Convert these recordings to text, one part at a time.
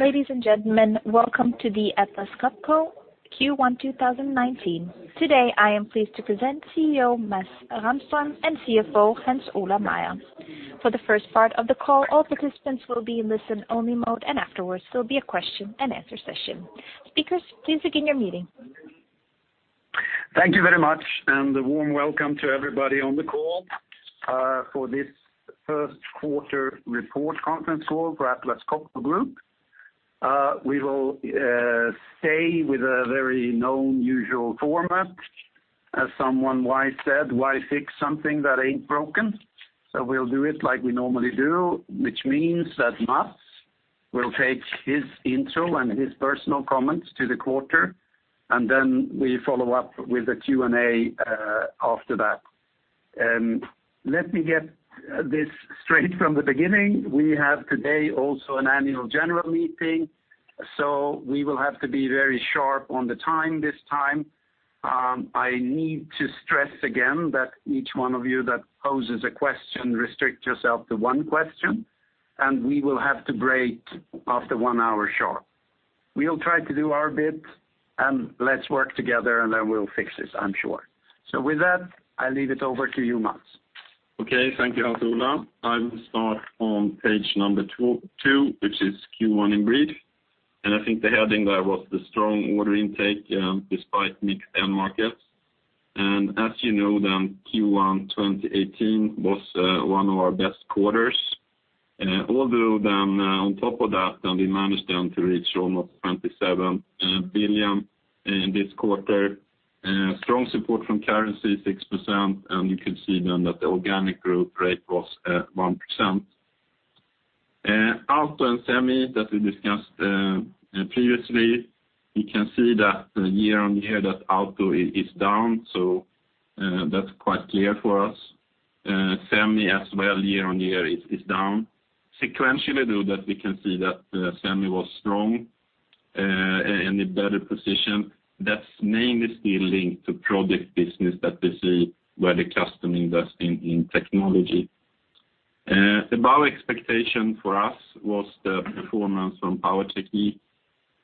Ladies and gentlemen, welcome to the Atlas Copco Q1 2019. Today, I am pleased to present CEO Mats Rahmström and CFO Hans Ola Meyer. Afterwards, for the first part of the call, all participants will be in listen-only mode, and there will be a question-and-answer session. Speakers, please begin your meeting. Thank you very much. A warm welcome to everybody on the call for this first quarter report conference call for Atlas Copco Group. We will stay with a very known, usual format. As someone wise said, "Why fix something that ain't broken?" We'll do it like we normally do, which means that Mats will take his intro and his personal comments to the quarter, then we follow up with the Q&A after that. Let me get this straight from the beginning. We have today also an annual general meeting, we will have to be very sharp on the time this time. I need to stress again that each one of you that poses a question restrict yourself to one question, we will have to break after one hour sharp. We'll try to do our bit. Let's work together, then we'll fix this, I'm sure. With that, I leave it over to you, Mats. Okay. Thank you, Hans Ola. I will start on page number two, which is Q1 in brief. I think the heading there was the strong order intake despite mixed end markets. As you know, Q1 2018 was one of our best quarters. Although, then on top of that, we managed then to reach almost 27 billion in this quarter. Strong support from currency, 6%. You can see then that the organic growth rate was at 1%. Auto and Semi that we discussed previously, you can see that year-on-year that auto is down, that's quite clear for us. Semi as well, year-on-year is down. Sequentially, though, that we can see that Semi was strong and in better position. That's mainly still linked to project business that we see where the customer investing in technology. Above expectation for us was the performance from Power Technique,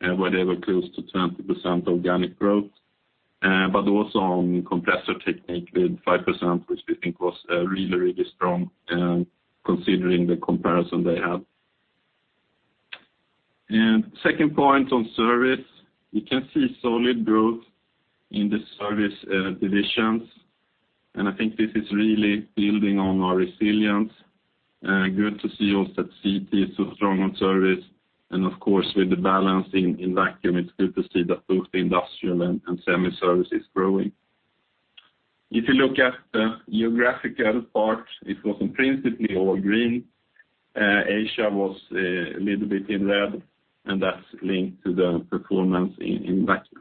where they were close to 20% organic growth, also on Compressor Technique with 5%, which we think was really, really strong considering the comparison they had. Second point on service, you can see solid growth in the service divisions, I think this is really building on our resilience. Good to see also CT so strong on service, of course, with the balance in Vacuum it's good to see that both Industrial and Semi service is growing. If you look at the geographical part, it was principally all green. Asia was a little bit in red, that's linked to the performance in Vacuum.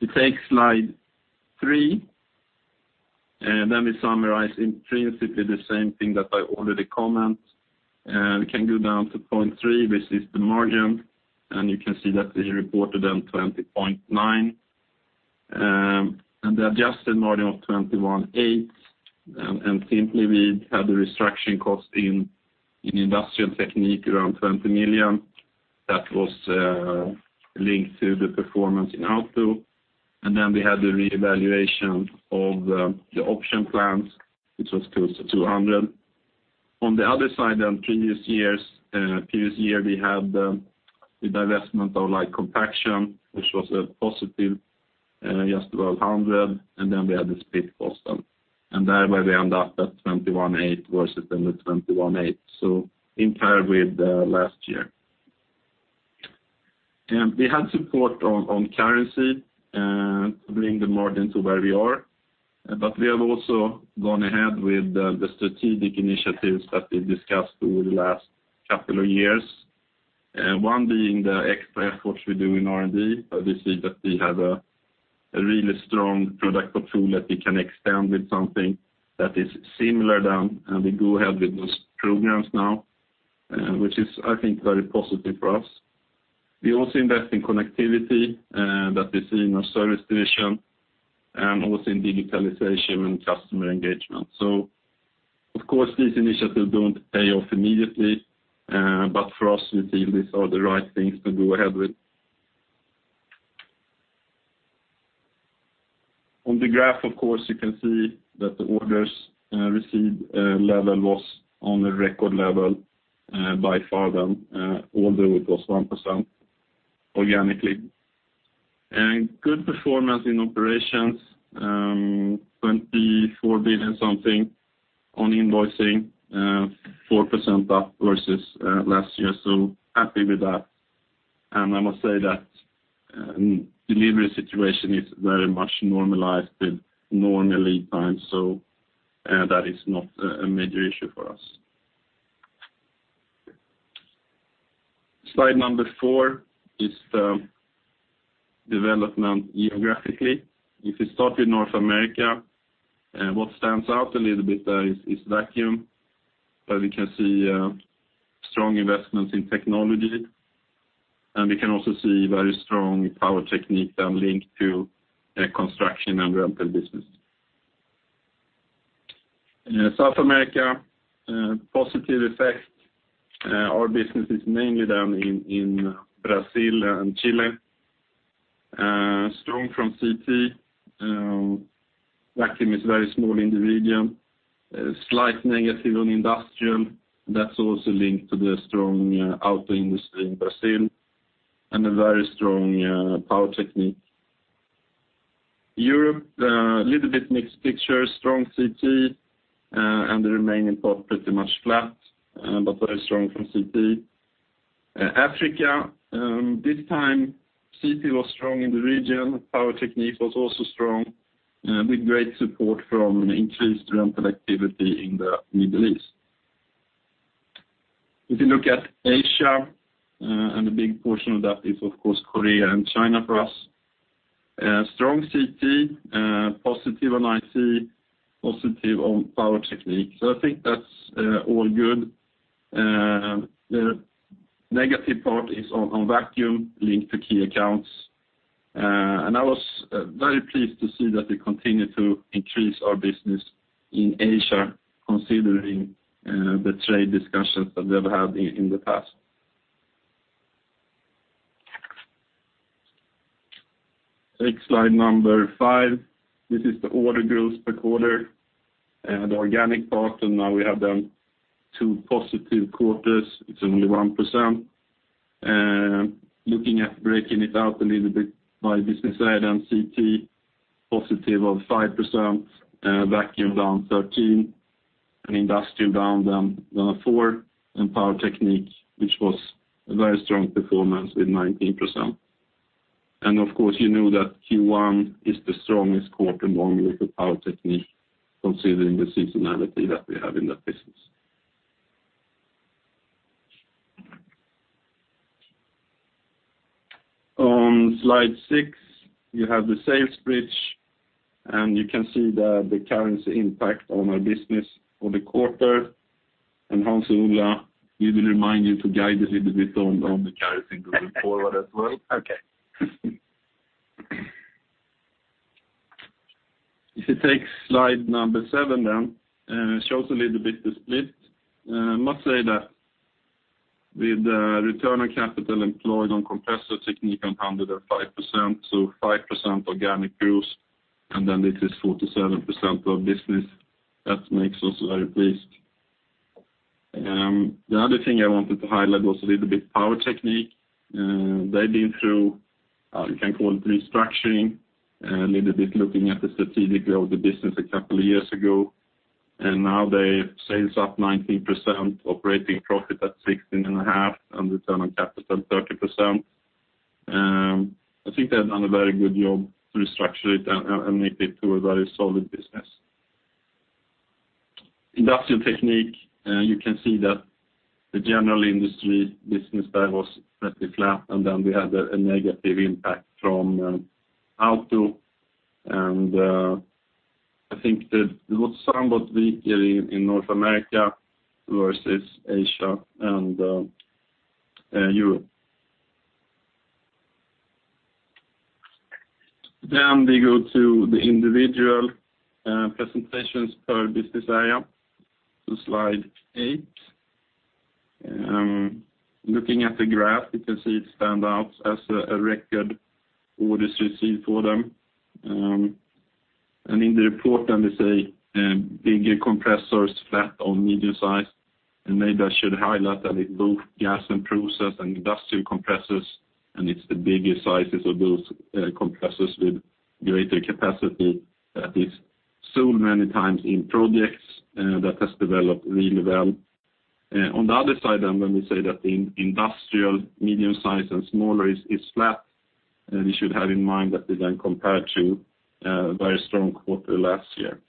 We take slide three, let me summarize intrinsically the same thing that I already comment. We can go down to point three, which is the margin, you can see that we reported then 20.9%, the adjusted margin of 21.8%. Simply, we had a restructuring cost in Industrial Technique around 20 million. That was linked to the performance in Auto. Then we had the reevaluation of the option plans, which was close to 200. On the other side, previous year, we had the divestment of Light Compaction, which was a positive, just above 100. Then we had the split cost, thereby we end up at 21.8% versus then the 21.8%, in par with last year. We had support on currency to bring the margin to where we are, we have also gone ahead with the strategic initiatives that we discussed over the last couple of years. One being the extra efforts we do in R&D. We see that we have a really strong product portfolio that we can extend with something that is similar then, we go ahead with those programs now, which is, I think, very positive for us. We also invest in connectivity that we see in our service division, also in digitalization and customer engagement. Of course, these initiatives don't pay off immediately, for us, we feel these are the right things to go ahead with. On the graph, of course, you can see that the orders received level was on a record level by far then, although it was 1% organically. Good performance in operations, 24 billion something on invoicing, 4% up versus last year, happy with that. I must say that delivery situation is very much normalized with normal lead times, that is not a major issue for us. Slide number four is the development geographically. If we start with North America, what stands out a little bit there is Vacuum, where we can see strong investments in technology. We can also see very strong Power Technique linked to construction and rental business. South America, positive effect. Our business is mainly down in Brazil and Chile. Strong from CT. Vacuum is very small in the region. Slight negative on Industrial, that's also linked to the strong Auto industry in Brazil, a very strong Power Technique. Europe, a little bit mixed picture, strong CT, the remaining part pretty much flat, very strong from CT. Africa, this time CT was strong in the region. Power Technique was also strong, with great support from increased rental activity in the Middle East. If you look at Asia, and a big portion of that is, of course, Korea and China for us. Strong CT, positive on IC, positive on Power Technique. I think that's all good. The negative part is on Vacuum Technique, linked to key accounts. I was very pleased to see that we continue to increase our business in Asia, considering the trade discussions that they've had in the past. Take slide number five. This is the order growth per quarter, and the organic part, and now we have them two positive quarters. It's only 1%. Looking at breaking it out a little bit by Business Area, CT, positive of 5%, Vacuum Technique down 13%, and Industrial Technique down 4%, and Power Technique, which was a very strong performance with 19%. Of course, you know that Q1 is the strongest quarter along with the Power Technique considering the seasonality that we have in that business. On slide six, you have the sales bridge, and you can see the currency impact on our business for the quarter. Hans Ola, we will remind you to guide us a little bit on the currency going forward as well. Okay. If you take slide number seven, it shows a little bit the split. I must say that with the return on capital employed on Compressor Technique on 105%, 5% organic growth, it is 47% of business. That makes us very pleased. The other thing I wanted to highlight was a little bit Power Technique. They've been through, you can call it restructuring, a little bit looking at the strategic growth of the business a couple of years ago, and now their sales up 19%, operating profit at 16.5%, and return on capital 30%. I think they've done a very good job to restructure it and make it to a very solid business. Industrial Technique, you can see that the general industry business there was pretty flat, and then we had a negative impact from auto, and I think it was somewhat weaker in North America versus Asia and Europe. We go to the individual presentations per Business Area. Slide eight. Looking at the graph, you can see it stand out as a record orders received for them. In the report, they say bigger compressors flat on medium size. Maybe I should highlight that it's both gas and process and industrial compressors, and it's the bigger sizes of those compressors with greater capacity that is sold many times in projects that has developed really well. On the other side, when we say that in Industrial Technique, medium-size and smaller is flat, you should have in mind that is compared to a very strong quarter last year.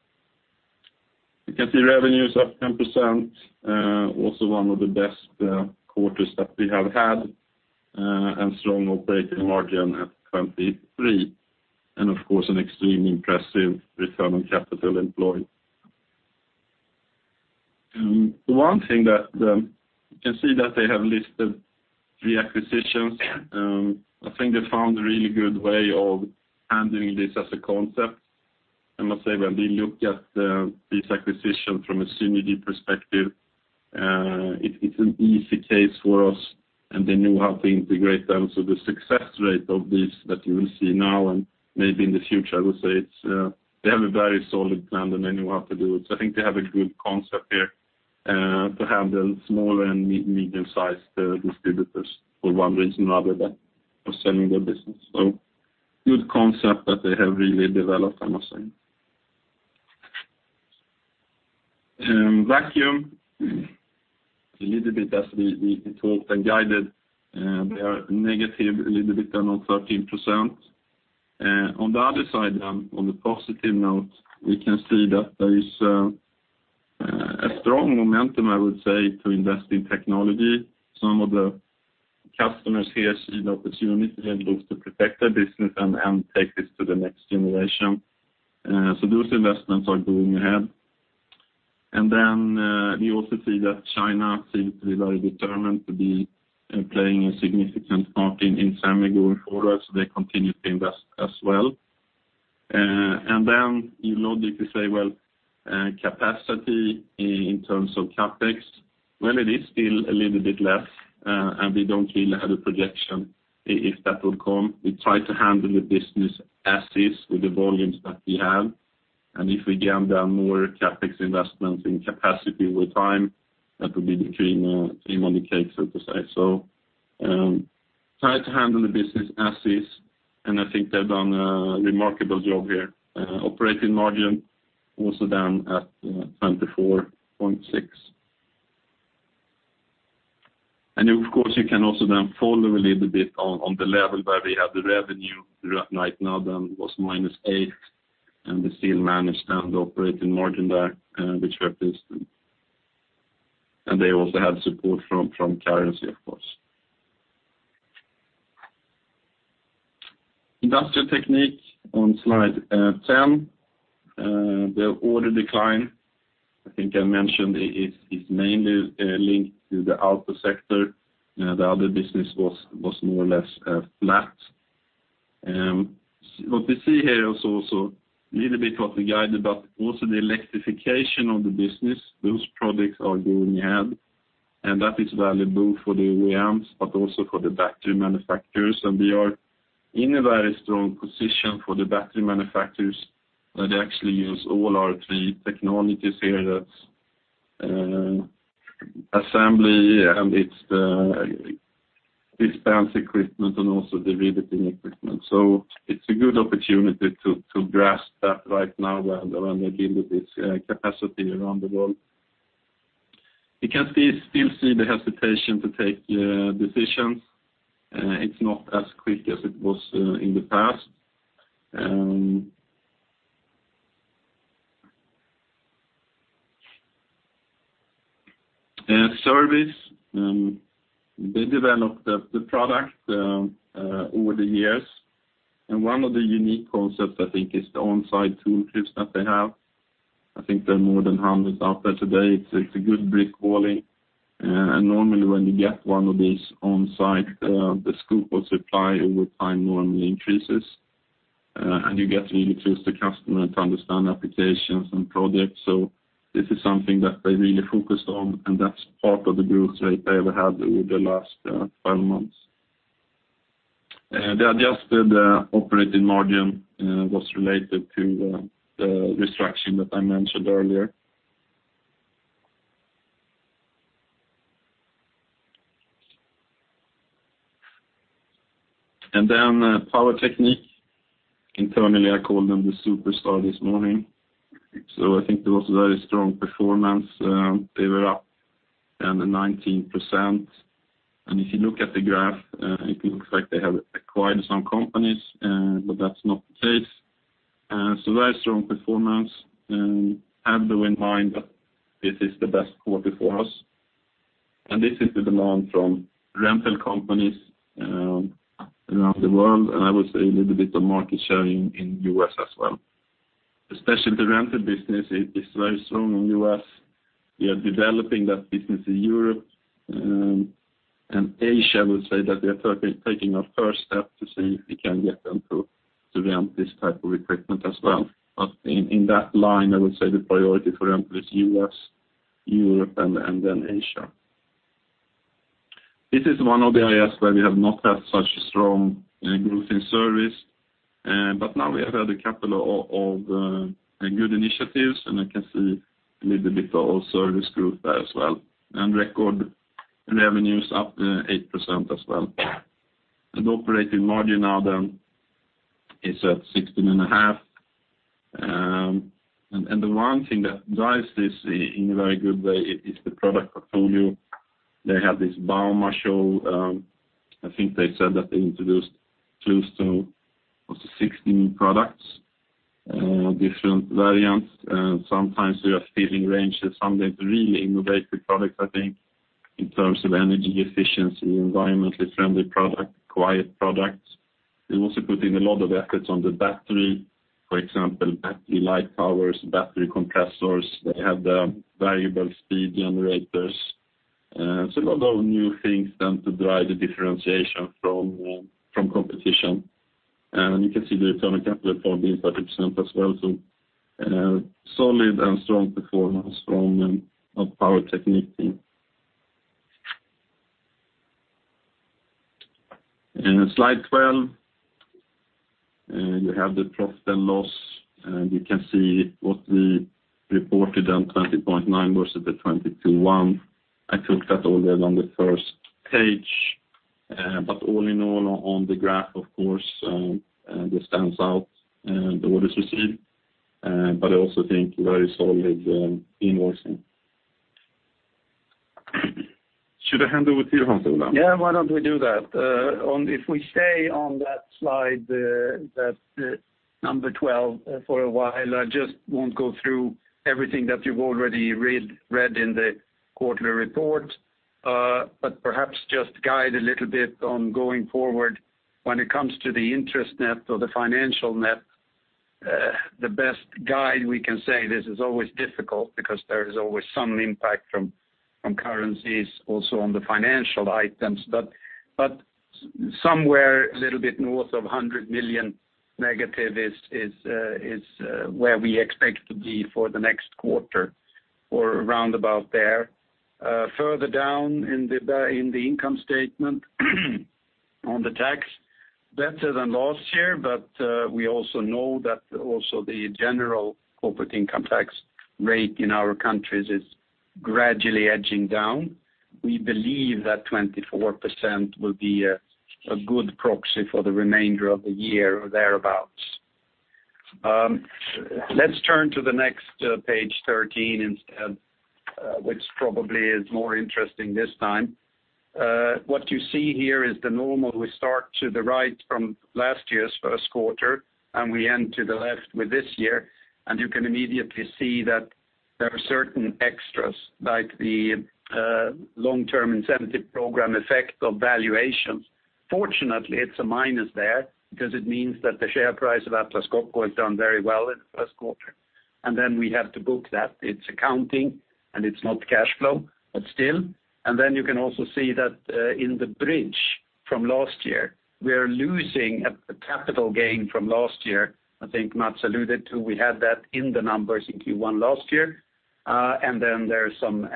You can see revenues up 10%, also one of the best quarters that we have had, and strong operating margin at 23%. Of course, an extremely impressive return on capital employed. One thing that you can see that they have listed the acquisitions. I think they found a really good way of handling this as a concept. I must say, when we look at this acquisition from a synergy perspective, it's an easy case for us, and they knew how to integrate them. The success rate of this that you will see now and maybe in the future, I would say they have a very solid plan, and they knew how to do it. I think they have a good concept here to handle small and medium-sized distributors for one reason rather than for selling their business. Good concept that they have really developed, I must say. Vacuum, a little bit as we talked and guided, they are negative a little bit down on 13%. On the other side, on the positive note, we can see that there is a strong momentum, I would say, to invest in technology. Some of the customers here see the opportunity and look to protect their business and take this to the next generation. Those investments are going ahead. We also see that China seems to be very determined to be playing a significant part in Semi going forward, they continue to invest as well. You logically say, well, capacity in terms of CapEx, well, it is still a little bit less, and we don't really have a projection if that will come. We try to handle the business as is with the volumes that we have, if again, there are more CapEx investments in capacity over time, that would be the cream on the cake, so to say. Try to handle the business as is, I think they've done a remarkable job here. Operating margin also down at 24.6%. Of course, you can also then follow a little bit on the level where we have the revenue right now, that was -8%, and we still managed operating margin there, which helped us. They also had support from currency, of course. Industrial Technique on slide 10. The order decline, I think I mentioned, is mainly linked to the auto sector. The other business was more or less flat. What we see here is also a little bit what we guided, but also the electrification of the business. Those products are going ahead, that is valuable for the OEMs, but also for the battery manufacturers. We are in a very strong position for the battery manufacturers that actually use all our three technologies here. That's assembly, it's the dispense equipment and also the riveting equipment. It's a good opportunity to grasp that right now around the availability of capacity around the world. You can still see the hesitation to take decisions. It's not as quick as it was in the past. Service, they developed the product over the years, and one of the unique concepts, I think, is the on-site tool kits that they have. I think there are more than 100 out there today. It's a good brick walling, and normally when you get one of these on-site, the scope of supply over time normally increases, and you get really close to customer to understand applications and projects. This is something that they really focused on, and that's part of the growth rate they have had over the last five months. The adjusted operating margin was related to the restructuring that I mentioned earlier. Power Technique. Internally, I called them the superstar this morning. I think it was a very strong performance. They were up 19%, and if you look at the graph, it looks like they have acquired some companies, but that's not the case. Very strong performance. Have though in mind that this is the best quarter for us, and this is the demand from rental companies around the world, and I would say a little bit of market share in U.S. as well. Especially the rental business is very strong in U.S. We are developing that business in Europe, and Asia, I would say that we are taking our first step to see if we can get them to rent this type of equipment as well. In that line, I would say the priority for rent is U.S., Europe, and then Asia. This is one of the areas where we have not had such strong growth in service. Now we have had a couple of good initiatives, and I can see a little bit of service growth there as well, and record revenues up 8% as well. Operating margin now then is at 16.5%. The one thing that drives this in a very good way is the product portfolio. They had this Bauma show. I think they said that they introduced close to 16 products, different variants. Sometimes we are filling ranges, sometimes really innovative products, I think, in terms of energy efficiency, environmentally friendly product, quiet products. We're also putting a lot of efforts on the battery, for example, battery-light towers, battery compressors. They have the variable speed generators. A lot of new things then to drive the differentiation from competition. You can see the return on capital up 4.3% as well, so solid and strong performance from our Power Technique team. In slide 12, you have the profit and loss, and you can see what we reported, then 20.9% versus the 22.1%. I took that all the way on the first page. All in all, on the graph, of course, this stands out, the orders received, but I also think very solid invoicing. Should I hand over to you, Hans, now? Yeah, why don't we do that? If we stay on that slide 12 for a while, I just won't go through everything that you've already read in the quarterly report. Perhaps just guide a little bit on going forward when it comes to the interest net or the financial net. The best guide we can say, this is always difficult because there is always some impact from currencies also on the financial items. Somewhere a little bit north of 100 million negative is where we expect to be for the next quarter or roundabout there. Further down in the income statement on the tax, better than last year, but we also know that also the general corporate income tax rate in our countries is gradually edging down. We believe that 24% will be a good proxy for the remainder of the year or thereabout. Let's turn to the next page 13 instead, which probably is more interesting this time. What you see here is the normal. We start to the right from last year's first quarter. We end to the left with this year, and you can immediately see that there are certain extras, like the long-term incentive program effect of valuations. Fortunately, it's a minus there because it means that the share price of Atlas Copco has done very well in the first quarter. Then we have to book that. It's accounting, and it's not cash flow, but still. Then you can also see that in the bridge from last year, we are losing a capital gain from last year. I think Mats alluded to, we had that in the numbers in Q1 last year. Then there are some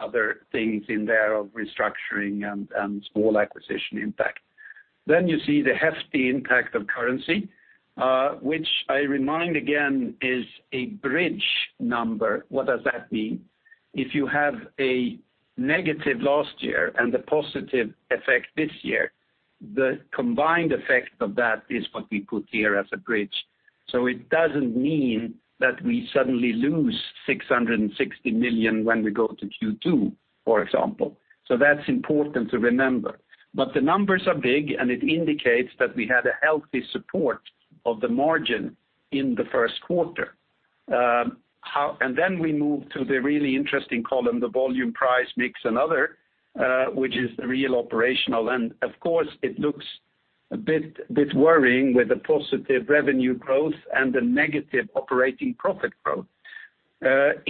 other things in there of restructuring and small acquisition impact. You see the hefty impact of currency, which I remind again is a bridge number. What does that mean? If you have a negative last year and the positive effect this year, the combined effect of that is what we put here as a bridge. It doesn't mean that we suddenly lose 660 million when we go to Q2, for example. That's important to remember. The numbers are big, and it indicates that we had a healthy support of the margin in the first quarter. Then we move to the really interesting column, the volume price mix and other, which is the real operational. Of course, it looks a bit worrying with the positive revenue growth and the negative operating profit growth.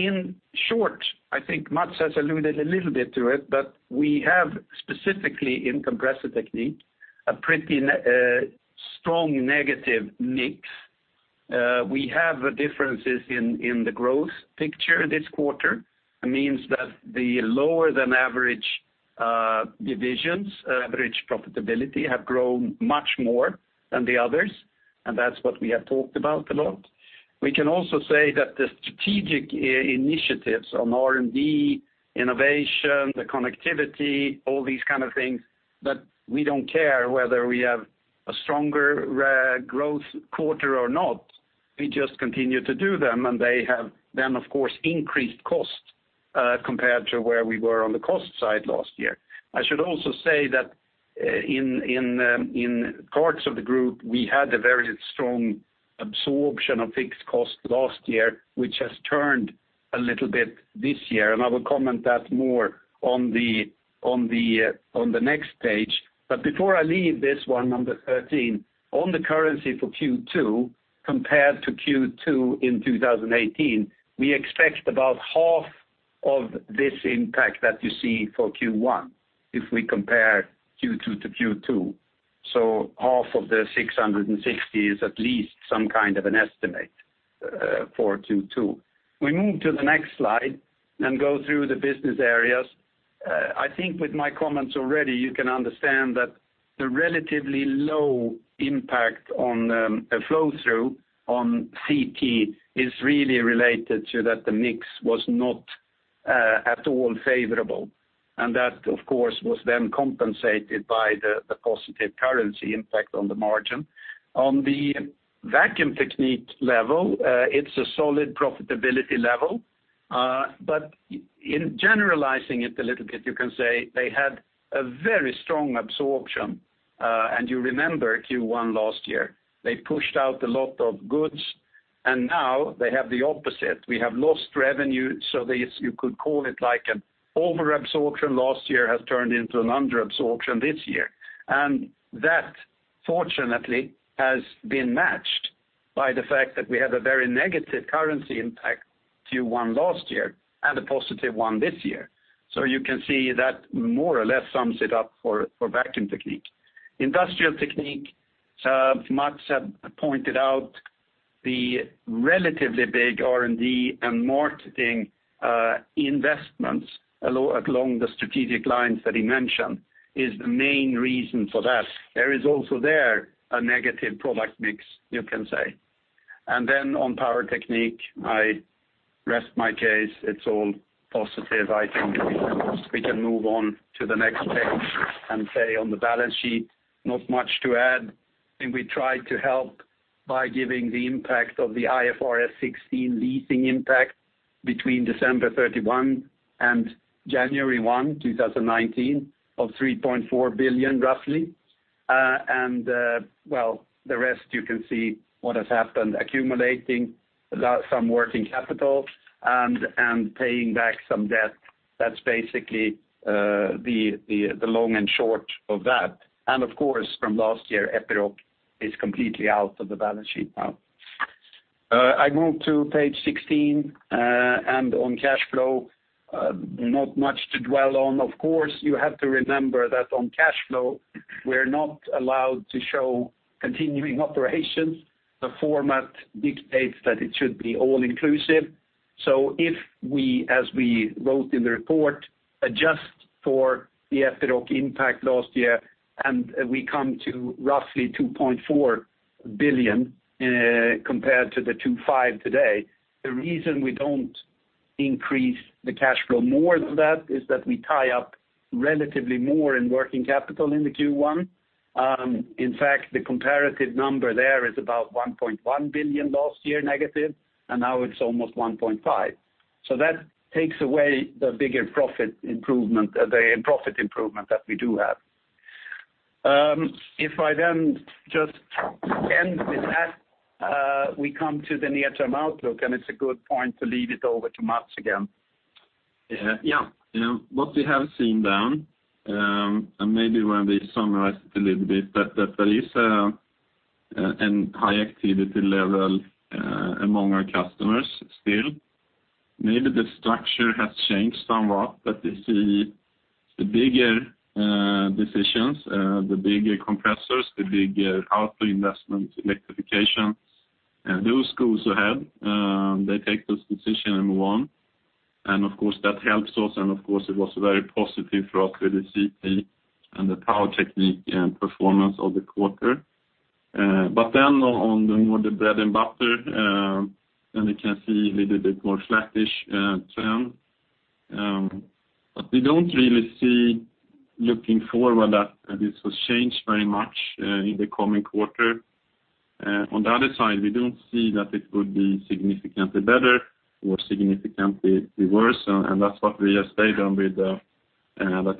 In short, I think Mats has alluded a little bit to it, but we have specifically in Compressor Technique, a pretty strong negative mix. We have differences in the growth picture this quarter. It means that the lower than average divisions, average profitability have grown much more than the others. That's what we have talked about a lot. We can also say that the strategic initiatives on R&D, innovation, the connectivity, all these kind of things, that we don't care whether we have a stronger growth quarter or not. We just continue to do them. They have then, of course, increased cost, compared to where we were on the cost side last year. I should also say that in parts of the group, we had a very strong absorption of fixed costs last year, which has turned a little bit this year, I will comment that more on the next page. Before I leave this one, number 13, on the currency for Q2 compared to Q2 in 2018, we expect about half of this impact that you see for Q1 if we compare Q2 to Q2. Half of the 660 is at least some kind of an estimate for Q2. We move to the next slide and go through the Business Areas. I think with my comments already, you can understand that the relatively low impact on the flow-through on CT is really related to that the mix was not at all favorable, that, of course, was then compensated by the positive currency impact on the margin. On the Vacuum Technique level, it's a solid profitability level. In generalizing it a little bit, you can say they had a very strong absorption. You remember Q1 last year, they pushed out a lot of goods, now they have the opposite. We have lost revenue, you could call it like an overabsorption last year has turned into an under absorption this year. That, fortunately, has been matched by the fact that we have a very negative currency impact Q1 last year and a positive one this year. You can see that more or less sums it up for Vacuum Technique. Industrial Technique, Mats had pointed out the relatively big R&D and marketing investments along the strategic lines that he mentioned is the main reason for that. There is also there a negative product mix, you can say. On Power Technique, I rest my case. It's all positive. I think we can move on to the next page and say on the balance sheet, not much to add. I think we tried to help by giving the impact of the IFRS 16 leasing impact between December 31 and January 1, 2019, of 3.4 billion roughly. Well, the rest you can see what has happened, accumulating some working capital and paying back some debt. That's basically the long and short of that. Of course, from last year, Epiroc is completely out of the balance sheet now. I move to page 16, on cash flow, not much to dwell on. Of course, you have to remember that on cash flow, we're not allowed to show continuing operations. The format dictates that it should be all-inclusive. If we, as we wrote in the report, adjust for the Epiroc impact last year, we come to roughly 2.4 billion, compared to the 2.5 billion today. The reason we don't increase the cash flow more than that is that we tie up relatively more in working capital in the Q1. In fact, the comparative number there is about 1.1 billion last year negative, and now it's almost 1.5 billion. That takes away the bigger profit improvement that we do have. If I then just end with that, we come to the near-term outlook, and it's a good point to leave it over to Mats again. Yeah. What we have seen, there is a high activity level among our customers still. Maybe the structure has changed somewhat. We see the bigger decisions, the bigger compressors, the bigger output investment, electrification, those go ahead. They take this decision and move on. Of course that helps us and of course it was very positive for us with the CT and the Power Technique and performance of the quarter. On the more the bread and butter, then we can see a little bit more flattish trend. We don't really see looking forward that this will change very much in the coming quarter. On the other side, we don't see that it would be significantly better or significantly worse, and that's what we have stayed on with, that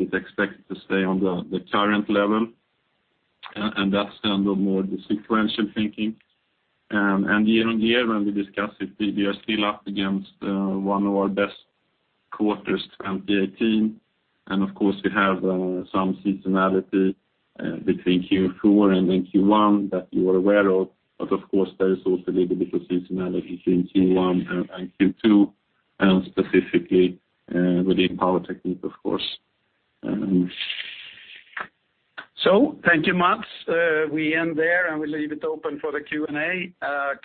it's expected to stay on the current level, and that's kind of more the sequential thinking. Year-on-year, when we discuss it, we are still up against one of our best quarters 2018, and of course we have some seasonality between Q4 and then Q1 that you are aware of. Of course there is also a little bit of seasonality between Q1 and Q2, specifically within Power Technique of course. Thank you, Mats. We end there, and we leave it open for the Q&A.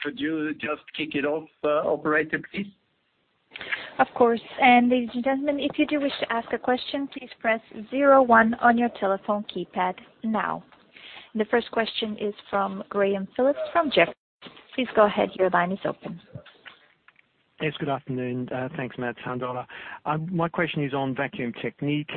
Could you just kick it off, operator, please? Of course. Ladies and gentlemen, if you do wish to ask a question, please press 01 on your telephone keypad now. The first question is from Graham Phillips from Jefferies. Please go ahead, your line is open. Yes, good afternoon. Thanks, Mats, Hans Ola. My question is on Vacuum Technique.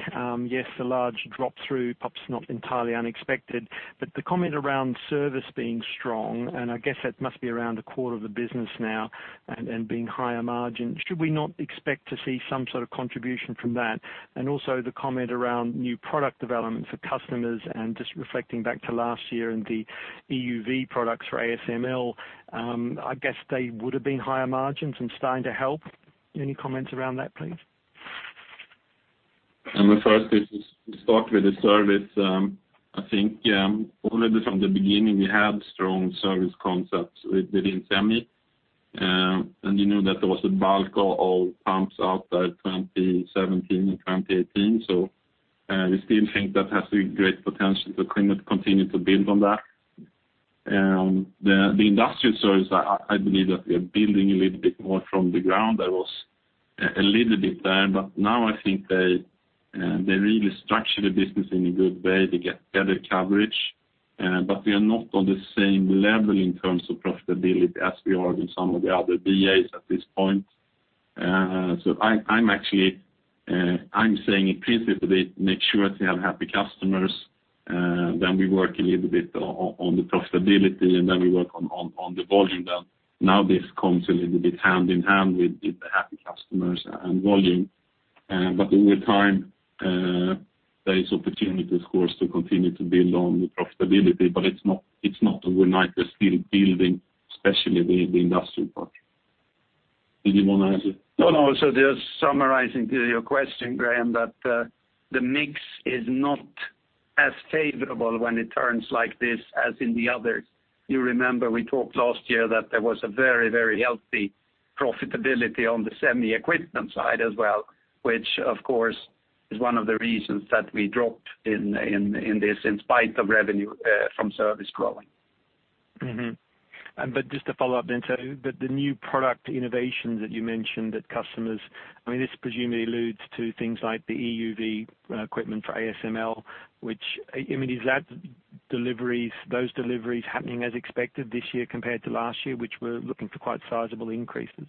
Yes, the large drop through, perhaps not entirely unexpected, but the comment around service being strong, and I guess that must be around a quarter of the business now and being higher margin. Should we not expect to see some sort of contribution from that? Also the comment around new product development for customers and just reflecting back to last year and the EUV products for ASML, I guess they would have been higher margins and starting to help. Any comments around that, please? The first is, we start with the service. I think, already from the beginning, we had strong service concepts within Semi, you know that there was a bulk of pumps out there 2017 and 2018. We still think that has great potential to continue to build on that. The industrial service, I believe that we are building a little bit more from the ground. There was a little bit there, but now I think they really structure the business in a good way to get better coverage. We are not on the same level in terms of profitability as we are in some of the other VAs at this point. I'm saying increase it a bit, make sure they have happy customers. We work a little bit on the profitability. We work on the volume down. Now this comes a little bit hand in hand with the happy customers and volume. Over time, there is opportunities of course to continue to build on the profitability, but it's not overnight. We're still building, especially the industrial part. Did you want to add to it? No. Just summarizing to your question, Graham, that the mix is not as favorable when it turns like this as in the others. You remember we talked last year that there was a very healthy profitability on the Semi equipment side as well, which of course is one of the reasons that we dropped in this, in spite of revenue from service growing. Mm-hmm. Just to follow up then, the new product innovations that you mentioned at customers, this presumably alludes to things like the EUV equipment for ASML. Is those deliveries happening as expected this year compared to last year, which we're looking for quite sizable increases?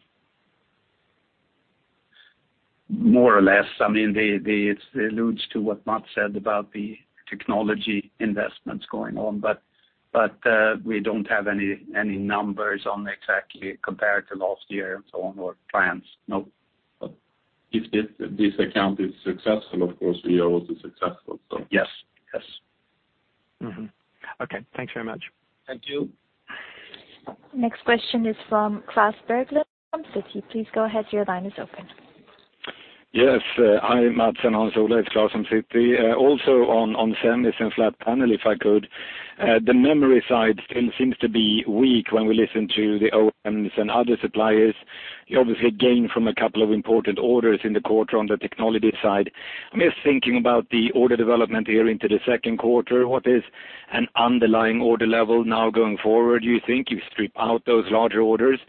More or less. It alludes to what Mats said about the technology investments going on. We don't have any numbers on exactly compared to last year and so on, or plans, no. If this account is successful, of course, we are also successful. Yes. Okay, thanks very much. Thank you. Next question is from Klas Bergelind from Citi. Please go ahead. Your line is open. Hi, Mats and Hans Ola. It's Klas from Citi. Also on Semi and flat panel, if I could. The memory side still seems to be weak when we listen to the OEMs and other suppliers. You obviously gained from a couple of important orders in the quarter on the technology side. I'm just thinking about the order development here into the second quarter. What is an underlying order level now going forward, do you think, you strip out those larger orders?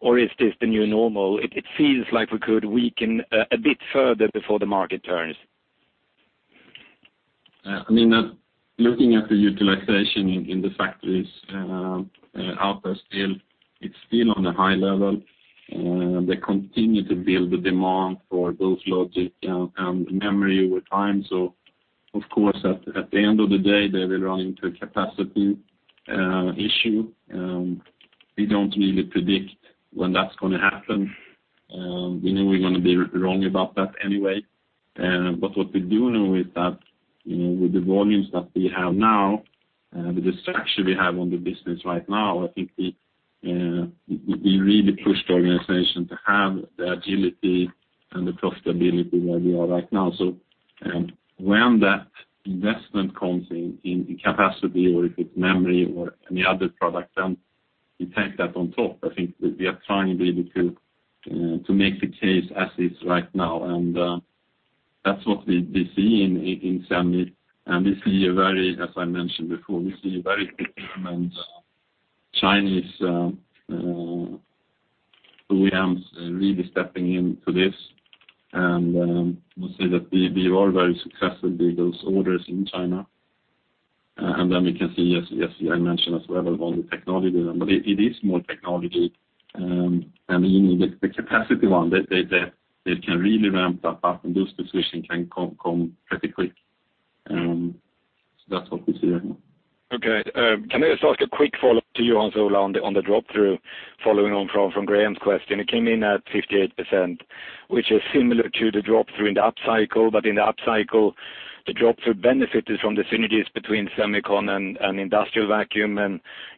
Or is this the new normal? It feels like we could weaken a bit further before the market turns. I mean, looking at the utilization in the factories, Atlas still, it's still on a high level. They continue to build the demand for both logic and memory with time. Of course, at the end of the day, they will run into a capacity issue. We don't really predict when that's going to happen. We know we're going to be wrong about that anyway. What we do know is that, with the volumes that we have now, the traction we have on the business right now, I think we really pushed the organization to have the agility and the profitability where we are right now. When that investment comes in capacity or if it's memory or any other product, then we take that on top. I think we are trying really to make the case as is right now. That's what we see in Semi, and we see a very, as I mentioned before, we see a very determined Chinese OEMs really stepping into this. We'll say that we are very successful with those orders in China. Then we can see, yes, I mentioned as well about the technology, but it is more technology. I mean, the capacity one, that can really ramp up and those decisions can come pretty quick. That's what we see right now. Okay. Can I just ask a quick follow-up to you, Hans Ola, on the drop-through, following on from Graham's question. It came in at 58%, which is similar to the drop-through in the up cycle. In the up cycle, the drop-through benefited from the synergies between Semi and industrial vacuum, and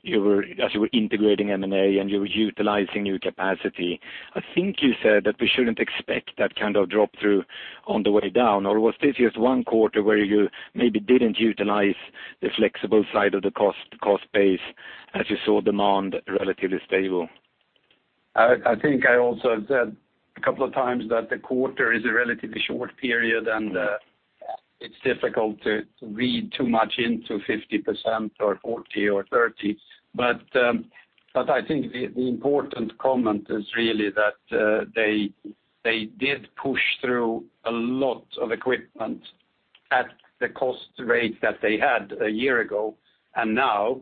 as you were integrating M&A and you were utilizing new capacity. I think you said that we shouldn't expect that kind of drop-through on the way down, or was this just one quarter where you maybe didn't utilize the flexible side of the cost base as you saw demand relatively stable? I think I also said a couple of times that the quarter is a relatively short period. It's difficult to read too much into 50% or 40% or 30%. I think the important comment is really that they did push through a lot of equipment at the cost rate that they had a year ago, and now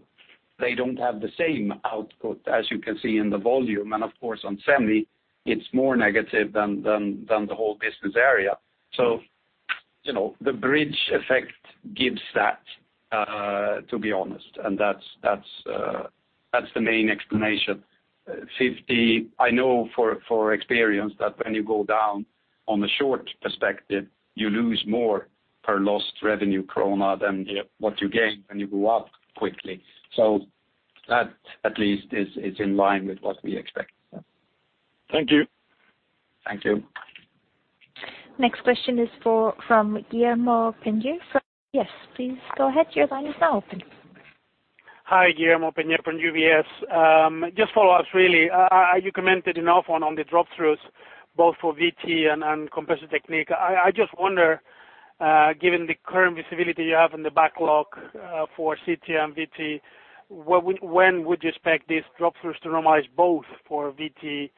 they don't have the same output, as you can see in the volume. Of course, on Semi, it's more negative than the whole Business Area. The bridge effect gives that, to be honest, and that's the main explanation. 50, I know for experience that when you go down on the short perspective, you lose more per lost revenue SEK than what you gain when you go up quickly. That at least is in line with what we expected. Thank you. Thank you. Next question is from Guillermo Peigneux. Please go ahead. Your line is now open. Hi, Guillermo Peña from UBS. Just follow-ups, really. You commented enough on the drop-throughs, both for VT and Compressor Technique. I just wonder, given the current visibility you have in the backlog for CT and VT, when would you expect these drop-throughs to normalize, both for VT and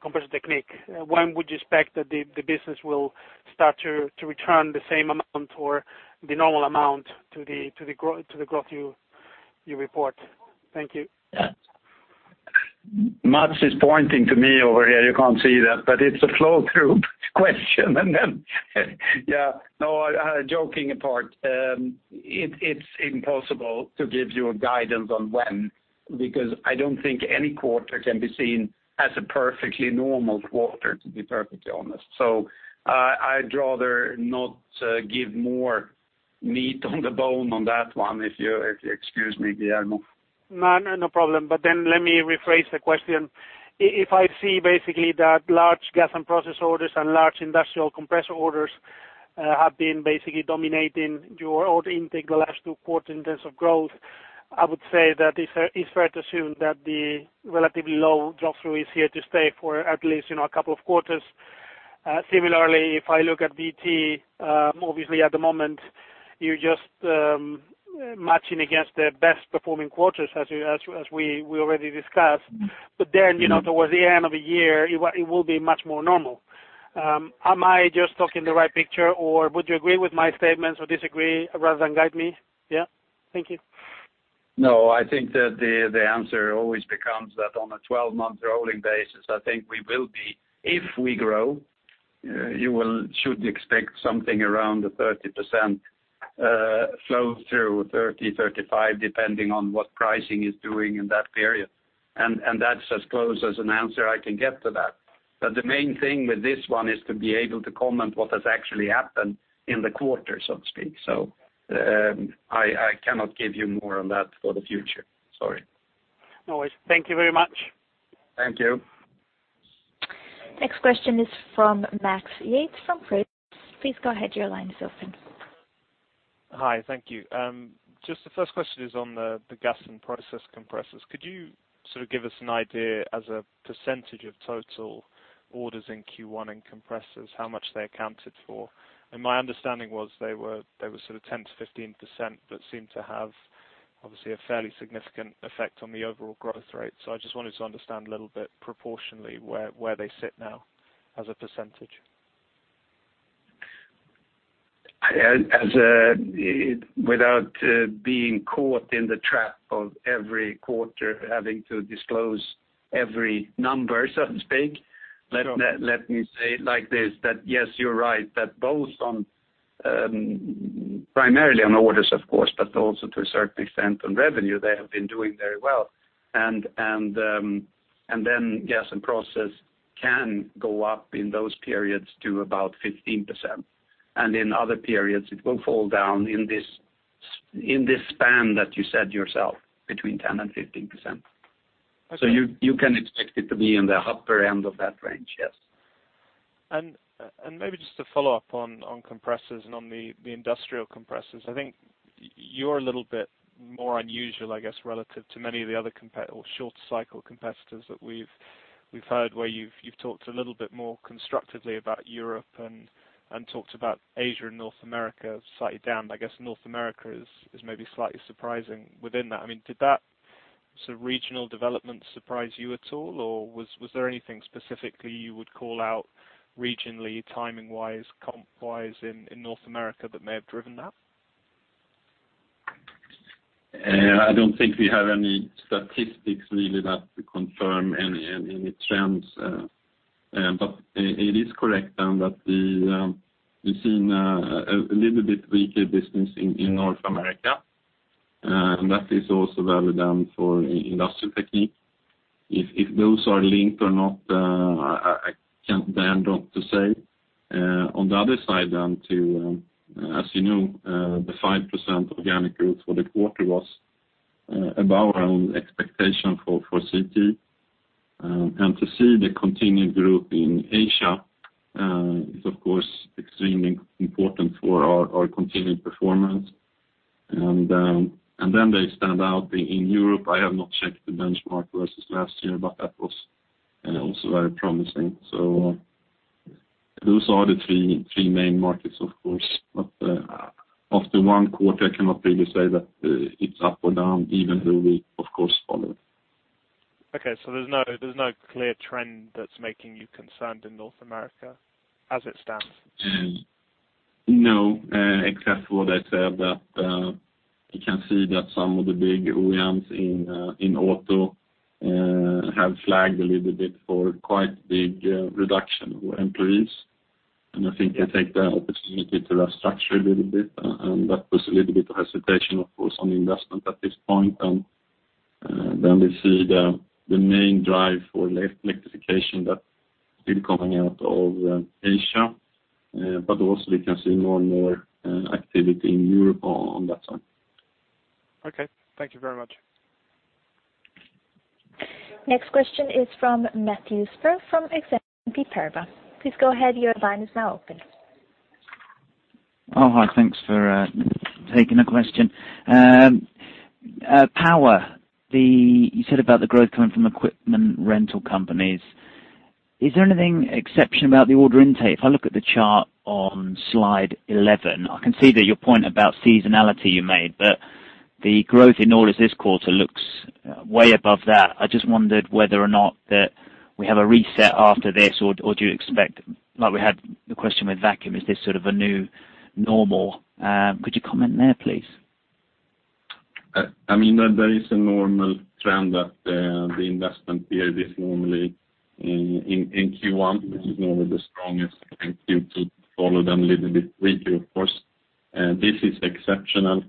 Compressor Technique? When would you expect that the business will start to return the same amount or the normal amount to the growth you report? Thank you. Mats is pointing to me over here. You can't see that, but it's a flow-through question. Yeah. Joking apart, it's impossible to give you a guidance on when, because I don't think any quarter can be seen as a perfectly normal quarter, to be perfectly honest. I'd rather not give more meat on the bone on that one, if you excuse me, Guillermo. No, no problem. Let me rephrase the question. If I see basically that large gas and process orders and large industrial compressor orders have been basically dominating your order intake the last 2 quarters in terms of growth, I would say that it's fair to assume that the relatively low drop-through is here to stay for at least a couple of quarters. Similarly, if I look at VT, obviously at the moment, you're just matching against the best-performing quarters, as we already discussed. Towards the end of the year, it will be much more normal. Am I just talking the right picture, or would you agree with my statements or disagree rather than guide me? Yeah. Thank you. No, I think that the answer always becomes that on a 12-month rolling basis, I think we will be, if we grow You should expect something around a 30% flow through, 30%, 35%, depending on what pricing is doing in that period. That's as close as an answer I can get to that. The main thing with this one is to be able to comment what has actually happened in the quarter, so to speak. I cannot give you more on that for the future. Sorry. No worries. Thank you very much. Thank you. Next question is from Max Yates from Credit Suisse. Please go ahead. Your line is open. Hi. Thank you. Just the first question is on the gas and process compressors. Could you give us an idea as a percentage of total orders in Q1 in compressors, how much they accounted for? My understanding was they were 10%-15%, but seem to have, obviously, a fairly significant effect on the overall growth rate. I just wanted to understand a little bit proportionally where they sit now as a percentage. Without being caught in the trap of every quarter having to disclose every number, so to speak, let me say it like this, that yes, you're right, that both on, primarily on orders, of course, but also to a certain extent on revenue, they have been doing very well. Gas and process can go up in those periods to about 15%, and in other periods, it will fall down in this span that you said yourself, between 10% and 15%. Okay. You can expect it to be in the upper end of that range, yes. Maybe just to follow up on compressors and on the industrial compressors, I think you're a little bit more unusual, I guess, relative to many of the other short cycle competitors that we've heard, where you've talked a little bit more constructively about Europe and talked about Asia and North America slightly down. I guess North America is maybe slightly surprising within that. Did that regional development surprise you at all? Or was there anything specifically you would call out regionally, timing-wise, comp-wise in North America that may have driven that? I don't think we have any statistics really that confirm any trends. It is correct then that we've seen a little bit weaker business in North America, and that is also valid for Industrial Technique. If those are linked or not, I dare not to say. On the other side, as you know the 5% organic growth for the quarter was above our own expectation for CT. To see the continued growth in Asia, is of course extremely important for our continued performance. Then they stand out in Europe. I have not checked the benchmark versus last year, but that was also very promising. Those are the three main markets, of course. After one quarter, I cannot really say that it's up or down, even though we, of course, follow it. Okay, there's no clear trend that's making you concerned in North America as it stands? No, except for what I said, that you can see that some of the big OEMs in auto have flagged a little bit for quite big reduction of employees. I think they take the opportunity to restructure a little bit, and that was a little bit of hesitation, of course, on investment at this point. We see the main drive for electrification that's been coming out of Asia, but also we can see more and more activity in Europe on that side. Okay. Thank you very much. Next question is from Matthew Akers from Exane BNP Paribas. Please go ahead. Your line is now open. Hi. Thanks for taking a question. Power. You said about the growth coming from equipment rental companies. Is there anything exceptional about the order intake? If I look at the chart on slide 11, I can see that your point about seasonality you made, but the growth in orders this quarter looks way above that. I just wondered whether or not that we have a reset after this, or do you expect, like we had the question with Vacuum, is this sort of a new normal? Could you comment there, please? There is a normal trend that the investment period is normally in Q1, which is normally the strongest. Q2 follow them a little bit weaker, of course. This is exceptional,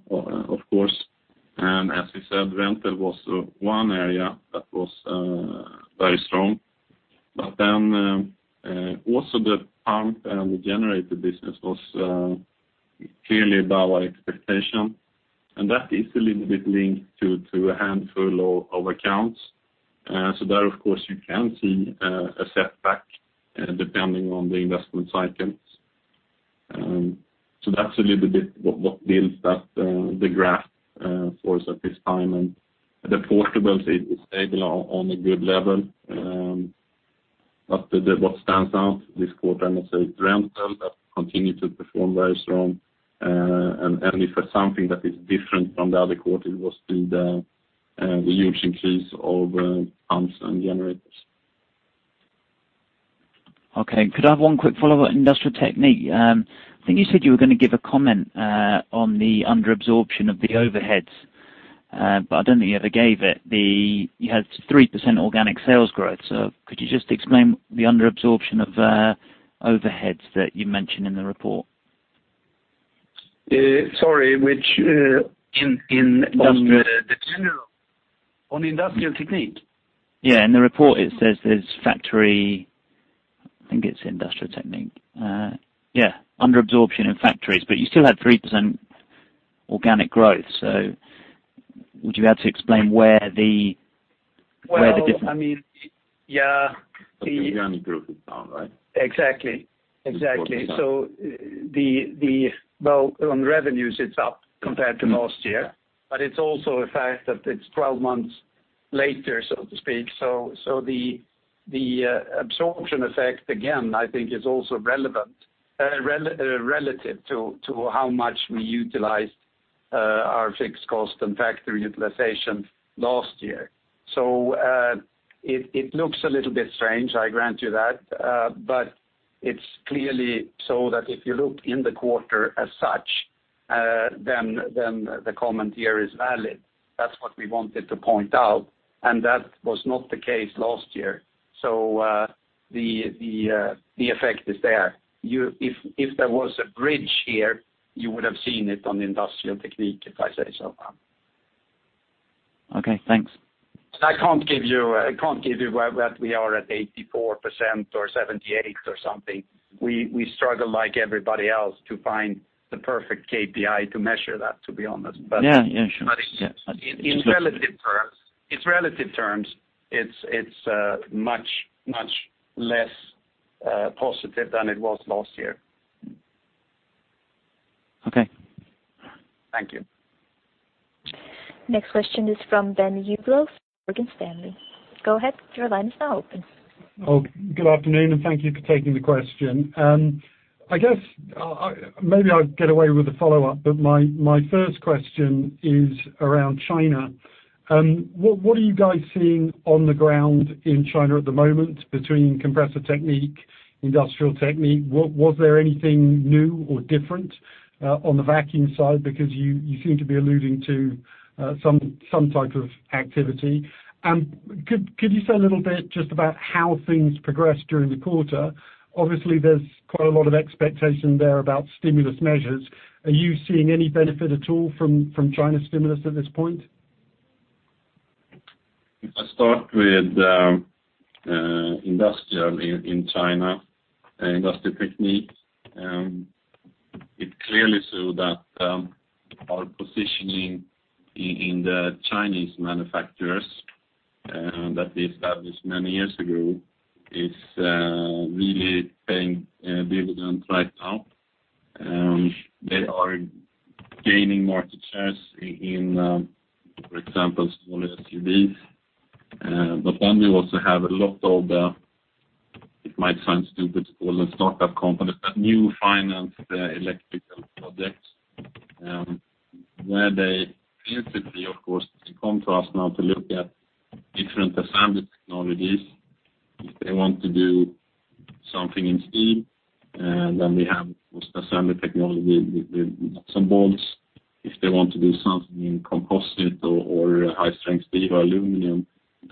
of course. As you said, rental was one area that was very strong. Also the pump and the generator business was clearly above our expectation. That is a little bit linked to a handful of accounts. There, of course, you can see a setback, depending on the investment cycles. That is a little bit what builds that, the graph for us at this time, and the portables is stable on a good level. What stands out this quarter, I must say, rental that continue to perform very strong. If something that is different from the other quarter was the huge increase of pumps and generators. Okay. Could I have one quick follow-up on Industrial Technique? I think you said you were going to give a comment on the under-absorption of the overheads. I don't think you ever gave it. You had 3% organic sales growth. Could you just explain the under-absorption of overheads that you mentioned in the report? Sorry, which? In- On the general, on the Industrial Technique. Yeah. In the report it says there's factory, I think it's Industrial Technique. Yeah, under-absorption in factories, you still had 3% organic growth. Would you be able to explain where the difference? Well, I mean, yeah. The organic growth is down, right? Exactly. In the quarter. Exactly. Well, on revenues, it's up compared to last year, but it's also a fact that it's 12 months later, so to speak. The absorption effect, again, I think is also relevant, relative to how much we utilized our fixed cost and factory utilization last year. It looks a little bit strange, I grant you that. It's clearly so that if you look in the quarter as such, the comment here is valid. That's what we wanted to point out, and that was not the case last year. The effect is there. If there was a bridge here, you would have seen it on Industrial Technique, if I say so. Okay, thanks. I can't give you that we are at 84% or 78% or something. We struggle like everybody else to find the perfect KPI to measure that, to be honest. Yeah, sure in relative terms, it's much, much less positive than it was last year. Okay. Thank you. Next question is from Ben Uglow, Morgan Stanley. Go ahead, your line is now open. Good afternoon, and thank you for taking the question. I guess, maybe I'll get away with a follow-up. My first question is around China. What are you guys seeing on the ground in China at the moment between Compressor Technique, Industrial Technique? Was there anything new or different on the vacuum side? You seem to be alluding to some type of activity. Could you say a little bit just about how things progressed during the quarter? Obviously, there's quite a lot of expectation there about stimulus measures. Are you seeing any benefit at all from China stimulus at this point? If I start with Industrial in China, Industrial Technique. It's clearly so that our positioning in the Chinese manufacturers, that we established many years ago, is really paying dividends right now. They are gaining market shares in, for example, smaller SUVs. We also have a lot of, it might sound stupid to call a startup company, but new finance electrical projects, where they clearly, of course, they come to us now to look at different assembly technologies. If they want to do something in steel, we have, of course, assembly technology with some bolts. If they want to do something in composite or high strength steel or aluminum,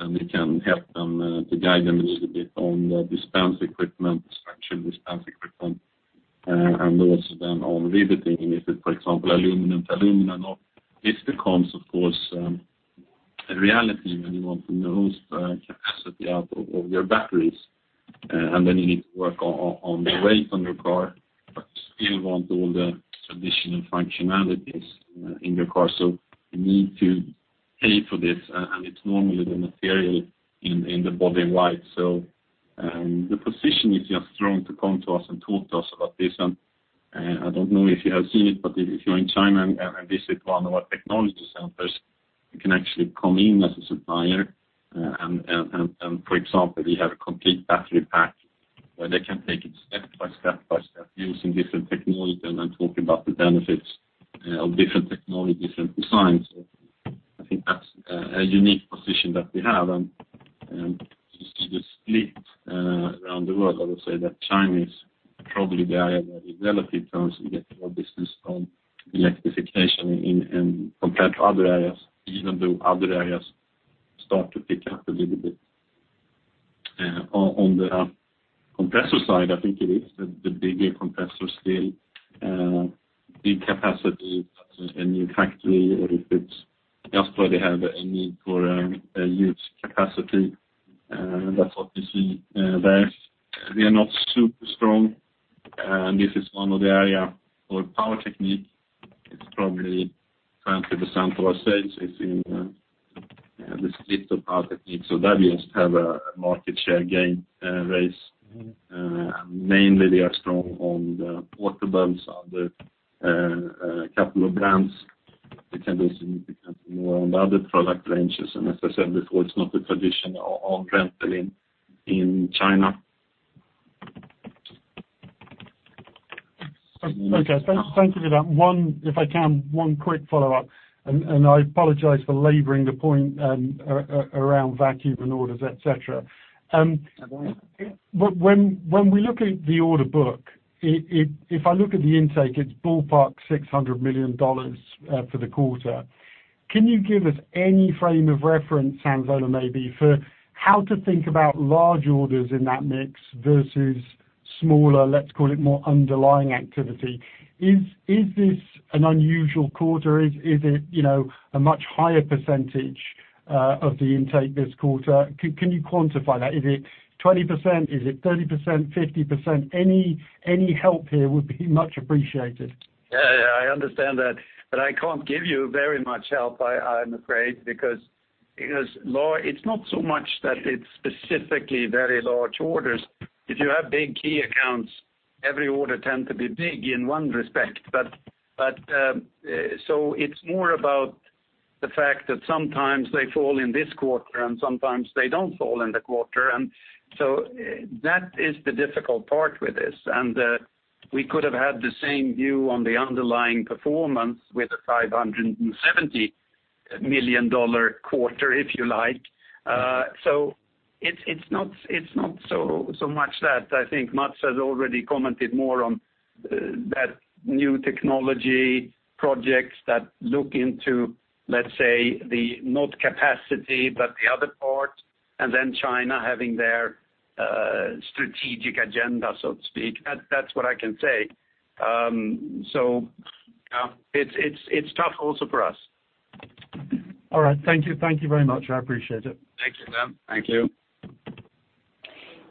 we can help them to guide them a little bit on dispense equipment, structure dispense equipment, and also on riveting if it's, for example, aluminum to aluminum. This becomes, of course, a reality when you want the most capacity out of your batteries, and you need to work on the weight on your car, but still want all the traditional functionalities in your car. You need to pay for this, and it's normally the material in the body-in-white. The position is you have strong to come to us and talk to us about this, and I don't know if you have seen it, but if you're in China and visit one of our technology centers, you can actually come in as a supplier. For example, we have a complete battery pack where they can take it step by step by step using different technology and then talk about the benefits of different technology, different designs. I think that's a unique position that we have, and just to split around the world, I would say that China is probably the area where in relative terms we get more business on electrification compared to other areas, even though other areas start to pick up a little bit. On the compressor side, I think it is the bigger compressor, still big capacity, a new factory, or if it's just where they have a need for a huge capacity. That's what we see there. We are not super strong. This is one of the area for Power Technique. It's probably 20% of our sales is in the split of Power Technique. That we have a market share gain race. Mainly, we are strong on the water pumps, on the capital brands. We can do significantly more on the other product ranges, and as I said before, it's not the traditional onramp selling in China. Okay. Thank you for that. If I can, one quick follow-up, and I apologize for laboring the point around vacuum and orders, et cetera. No worries. When we look at the order book, if I look at the intake, it's ballpark SEK 600 million for the quarter. Can you give us any frame of reference, Hans Ola, maybe for how to think about large orders in that mix versus smaller, let's call it more underlying activity? Is this an unusual quarter? Is it a much higher % of the intake this quarter? Can you quantify that? Is it 20%? Is it 30%, 50%? Any help here would be much appreciated. Yeah, I understand that, I can't give you very much help, I'm afraid, because it's not so much that it's specifically very large orders. If you have big key accounts, every order tends to be big in one respect. It's more about the fact that sometimes they fall in this quarter and sometimes they don't fall in the quarter. That is the difficult part with this. We could have had the same view on the underlying performance with a SEK 570 million quarter, if you like. It's not so much that. I think Mats has already commented more on that new technology projects that look into, let's say, the not capacity, but the other part, and then China having their strategic agenda, so to speak. That's what I can say. It's tough also for us. All right. Thank you. Thank you very much. I appreciate it. Thanks, Sam. Thank you.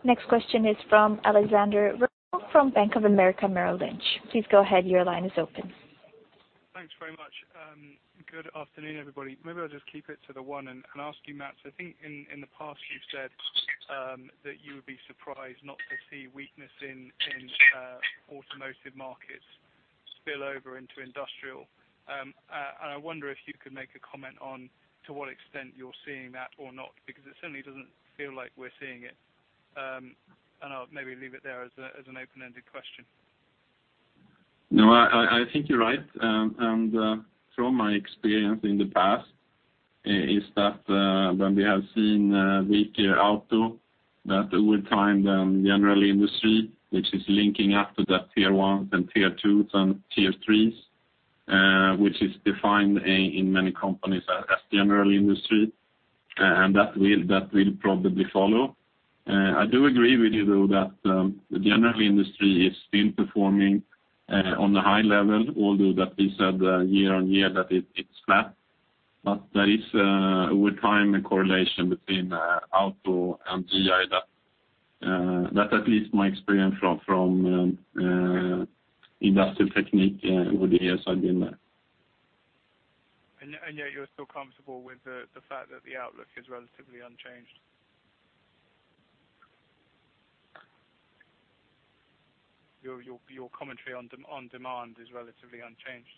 Next question is from Alexander Jones from Bank of America Merrill Lynch. Please go ahead. Your line is open. Thanks very much. Good afternoon, everybody. Maybe I'll just keep it to the one and ask you, Mats, I think in the past you've said that you would be surprised not to see weakness in automotive markets spill over into industrial. I wonder if you could make a comment on to what extent you're seeing that or not, because it certainly doesn't feel like we're seeing it. I'll maybe leave it there as an open-ended question. I think you're right. From my experience in the past is that when we have seen weaker auto, that would time the general industry, which is linking up to the tier 1s and tier 2s and tier 3s, which is defined in many companies as general industry, and that will probably follow. I do agree with you, though, that the general industry is still performing on the high level, although that we said year-on-year that it's flat. There is a good time correlation between auto and GI. That at least my experience from Industrial Technique over the years I've been there. Yet you're still comfortable with the fact that the outlook is relatively unchanged. Your commentary on demand is relatively unchanged.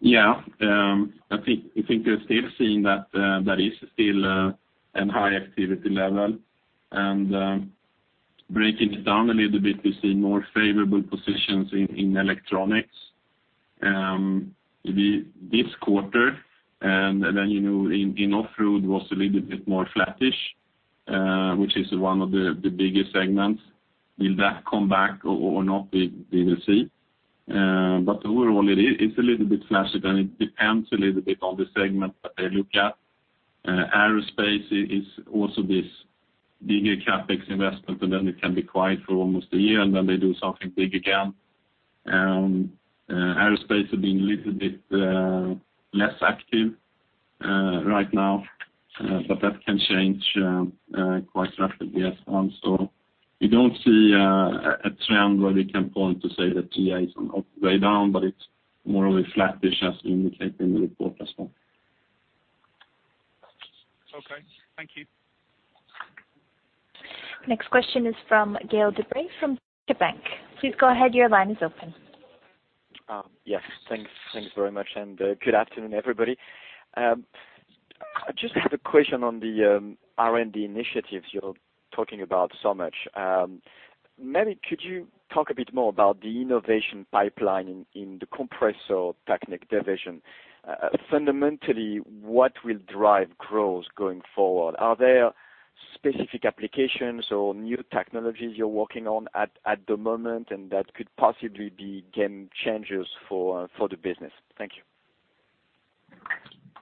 I think we're still seeing that there is still a high activity level, breaking it down a little bit, we see more favorable positions in electronics. This quarter. Then in off-road was a little bit more flattish, which is one of the biggest segments. Will that come back or not? We will see. Overall, it's a little bit flattish, and it depends a little bit on the segment that I look at. Aerospace is also this bigger CapEx investment, and then it can be quiet for almost a year, and then they do something big again. Aerospace have been a little bit less active right now, but that can change quite rapidly as well. We don't see a trend where we can point to say that GI is on the way down, but it's more of a flattish as indicated in the report as well. Okay. Thank you. Next question is from Gael de-Bray from Deutsche Bank. Please go ahead. Your line is open. Yes, thanks very much. Good afternoon, everybody. I just have a question on the R&D initiatives you're talking about so much. Maybe could you talk a bit more about the innovation pipeline in the Compressor Technique division? Fundamentally, what will drive growth going forward? Are there specific applications or new technologies you're working on at the moment and that could possibly be game changers for the business? Thank you.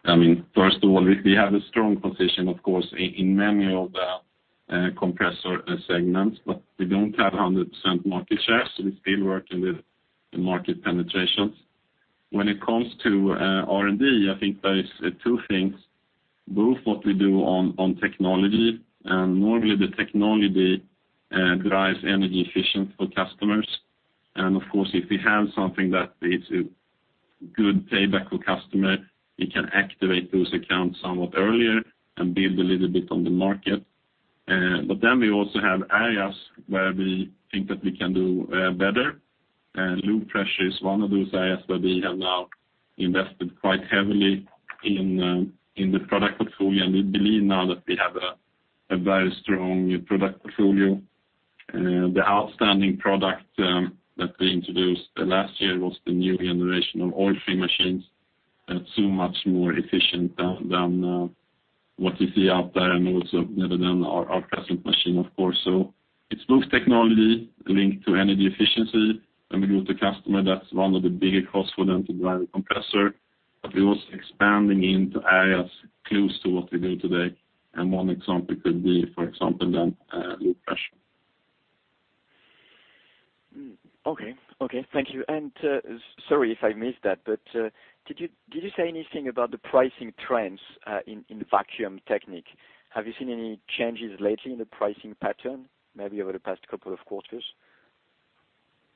I mean, first of all, we have a strong position, of course, in many of the compressor segments, but we don't have 100% market share, so we're still working with the market penetrations. When it comes to R&D, I think there is two things, both what we do on technology, and normally the technology drives energy efficient for customers. Of course, if we have something that is a good payback for customer, we can activate those accounts somewhat earlier and build a little bit on the market. We also have areas where we think that we can do better. Low pressure is one of those areas where we have now invested quite heavily in the product portfolio, and we believe now that we have a very strong product portfolio. The outstanding product that we introduced last year was the new generation of oil-free machines, so much more efficient than what you see out there and also better than our present machine, of course. It's both technology linked to energy efficiency, and with the customer, that's one of the bigger costs for them to drive a compressor, but we're also expanding into areas close to what we do today, and one example could be, for example, then low pressure. Okay. Thank you. Sorry if I missed that, but did you say anything about the pricing trends in Vacuum Technique? Have you seen any changes lately in the pricing pattern, maybe over the past couple of quarters?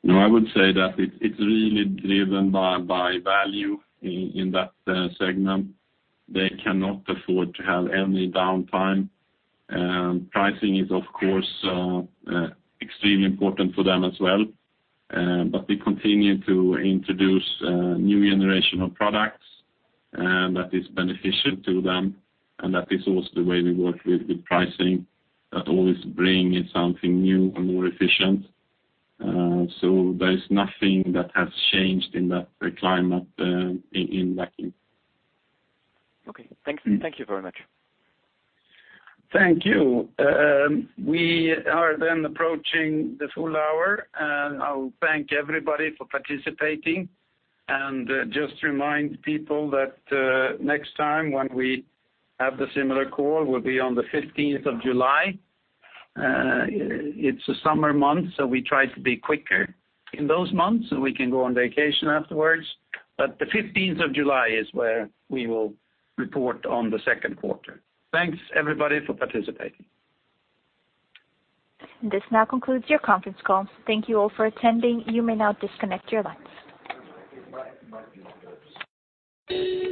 No, I would say that it's really driven by value in that segment. They cannot afford to have any downtime. Pricing is, of course, extremely important for them as well. We continue to introduce a new generation of products that is beneficial to them, that is also the way we work with pricing, that always bring in something new and more efficient. There is nothing that has changed in that climate in Vacuum Technique. Okay. Thank you very much. Thank you. We are approaching the full hour, I'll thank everybody for participating, just remind people that next time when we have the similar call will be on the 15th of July. It's a summer month, we try to be quicker in those months so we can go on vacation afterwards. The 15th of July is where we will report on the second quarter. Thanks everybody for participating. This now concludes your conference call. Thank you all for attending. You may now disconnect your your lines.